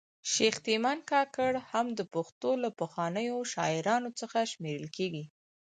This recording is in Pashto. شیخ تیمن کاکړ هم د پښتو له پخوانیو شاعرانو څخه شمېرل کیږي